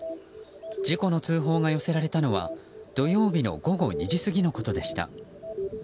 事故の通報が寄せられたのは土曜日の午後２時過ぎのことでした。